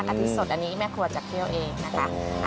อาทิตย์สดอันนี้แม่ครัวจะเคี่ยวเองนะคะ